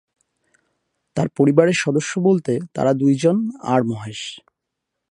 তার পরিবারের সদস্য বলতে তারা দুই জন আর মহেশ।